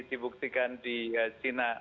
dibuktikan di china